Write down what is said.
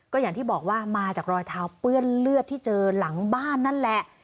ก็อย่างที่บอกว่ามาจากรอยเท้าเปื้อนเลือดที่เจอหลังบ้านนั่นแหละ